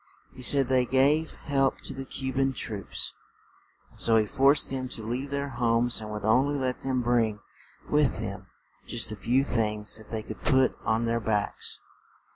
He said they gave help to the Cu ban troops, and so he forced them to leave their homes and would on ly let them bring with them just the few things that they could put on their backs.